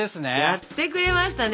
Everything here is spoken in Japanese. やってくれましたね。